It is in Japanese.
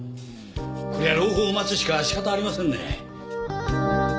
こりゃ朗報を待つしか仕方ありませんね。